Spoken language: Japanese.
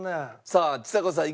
さあちさ子さん